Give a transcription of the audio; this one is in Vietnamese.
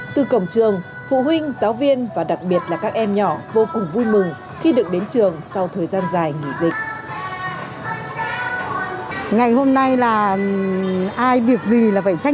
từ cổng trường phụ huynh giáo viên và đặc biệt là các em nhỏ vô cùng vui mừng khi được đến trường sau thời gian dài nghỉ dịch